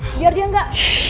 biar dia gak